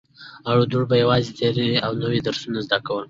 او دواړو به يو ځای تېر او نوي درسونه زده کول